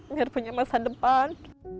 biar punya masa depan